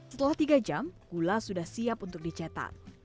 setelah tiga jam gula sudah siap untuk dicetak